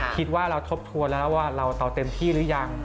คิดว่าเราทบทวนแล้วว่าเราเต็มที่หรือยัง